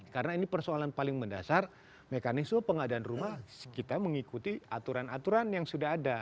karena ini persoalan paling mendasar mekanisme pengadaan rumah kita mengikuti aturan aturan yang sudah ada